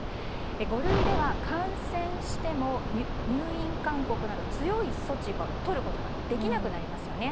五類では感染しても入院勧告など強い措置をとることができなくなりますよね。